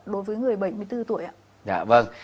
đối với người bảy mươi bốn tuổi